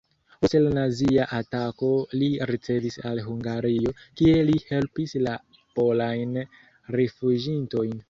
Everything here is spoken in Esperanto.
Post la nazia atako li revenis al Hungario, kie li helpis la polajn rifuĝintojn.